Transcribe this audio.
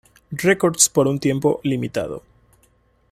Records por un tiempo limitado.